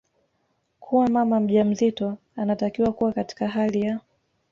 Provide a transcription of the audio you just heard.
kuwa mama mjamzito anatakiwa kuwa katika hali ya